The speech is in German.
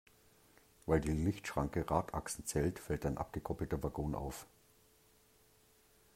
Weil die Lichtschranke Radachsen zählt, fällt ein abgekoppelter Waggon auf.